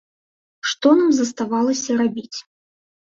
Што нам заставалася рабіць?